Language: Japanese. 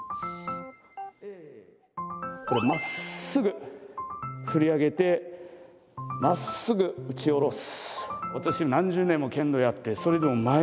これまっすぐ振り上げてまっすぐ打ち下ろす。